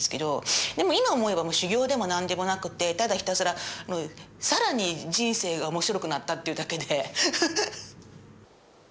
でも今思えば修行でも何でもなくてただひたすら更に人生が面白くなったっていうだけで。